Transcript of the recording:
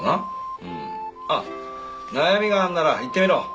あっ悩みがあるんなら言ってみろ。